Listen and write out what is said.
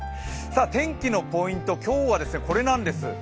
天気のポイント、今日はこれなんです。